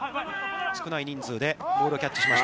少ない人数でボールをキャッチしました。